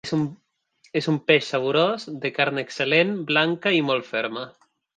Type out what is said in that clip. És un peix saborós, de carn excel·lent, blanca i molt ferma.